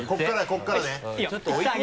ここからよ